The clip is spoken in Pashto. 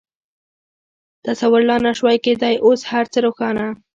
تصور لا نه شوای کېدای، اوس هر څه روښانه.